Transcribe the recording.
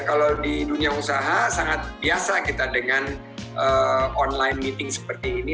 kalau di dunia usaha sangat biasa kita dengan online meeting seperti ini